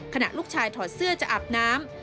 ขณะลูกชายถอดเสื้อจะอาบน้ำ